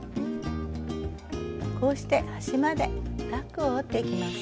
こうして端までタックを折っていきます。